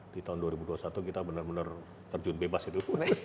di tahun dua ribu dua puluh satu kita benar benar terjun bebas itu